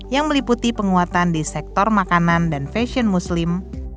yang meliputi penguatan di sektor makanan dan fashion muslim